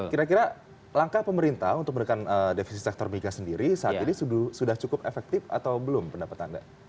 kira kira langkah pemerintah untuk menekan defisit sektor migas sendiri saat ini sudah cukup efektif atau belum pendapat anda